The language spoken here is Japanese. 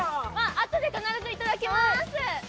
あとで必ずいただきます。